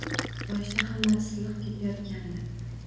Boshida hammasi silliq ketayotgandi